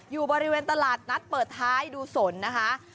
อยู่บริเวณตลาดนัดเปิดท้ายดูสนนะคะ